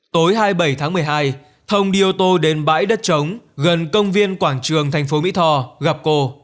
tối hai mươi bảy tháng một mươi hai thông đi ô tô đến bãi đất trống gần công viên quảng trường thành phố mỹ tho gặp cô